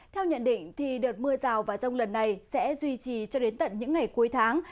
theo nhận định đợt mưa rào và rông lần này sẽ duy trì cho đến tận những ngày cuối tháng